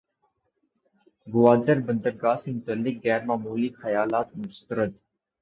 گوادر بندرگاہ سے متعلق غیر معمولی خیالات مسترد